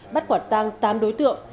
bắt quản tăng tám đối tượng